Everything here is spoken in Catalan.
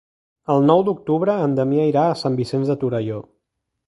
El nou d'octubre en Damià irà a Sant Vicenç de Torelló.